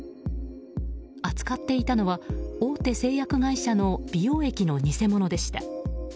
扱っていたのは大手製薬会社の美容液の偽物でした。